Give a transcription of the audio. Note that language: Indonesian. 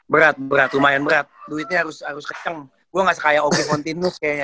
berat berat lumayan berat duitnya harus keceng gue enggak sekaya augie fantinus kayaknya